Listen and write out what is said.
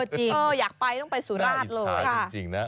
จริงอยากไปต้องไปสุราชเลยค่ะน่าอิจฉาจริงนะ